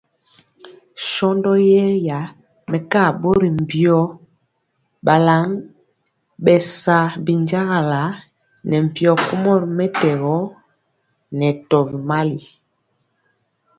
Shɔndɔ yɛra mɛkaa ɓɔri mbio balan bɛ sa binjagala ne mpyo kumɔ ri mɛtɛgɔ nɛ tɔbi mali.